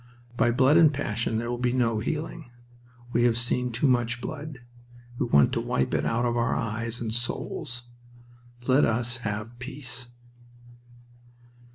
By blood and passion there will be no healing. We have seen too much blood. We want to wipe it out of our eyes and souls. Let us have Peace.